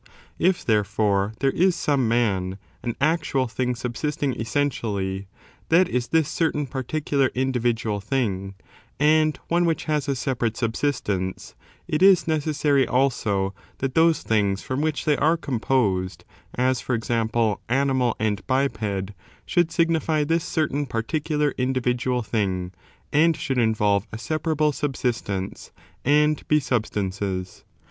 If, therefore, there is some man — an actual thing subsisting essentially — that is this certain particular individual thing, and one which has a separate subsistence, it is necessary, also, that those things from which they are composed, as, for example, animal and biped, should signify this certain particular individual thing, and should involve a separable subsistence, and be substances.